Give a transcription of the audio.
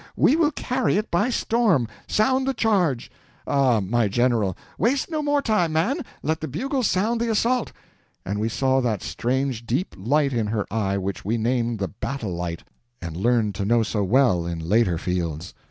We will carry it by storm. Sound the charge!" "Ah, my General—" "Waste no more time, man—let the bugles sound the assault!" and we saw that strange deep light in her eye which we named the battle light, and learned to know so well in later fields.